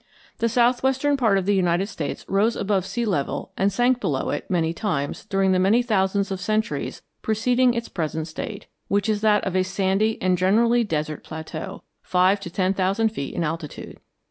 The southwestern part of the United States rose above sea level and sank below it many times during the many thousands of centuries preceding its present state, which is that of a sandy and generally desert plateau, five to ten thousand feet in altitude.